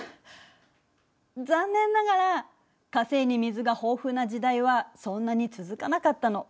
残念ながら火星に水が豊富な時代はそんなに続かなかったの。